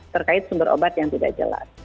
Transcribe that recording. terkait sumber obat yang tidak jelas